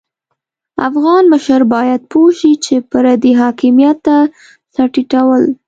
افغان مشر بايد پوه شي چې پردي حاکميت ته سر ټيټول.